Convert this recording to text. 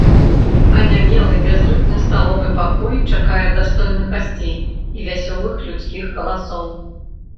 Анямелы, бязлюдны сталовы пакой чакае дастойных гасцей і вясёлых людскіх галасоў.